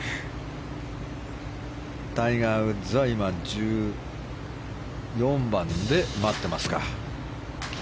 タイガー・ウッズは１４番で待っていますか。